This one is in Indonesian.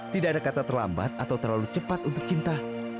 tidak ada kata terlambat atau terlalu cepat untuk cinta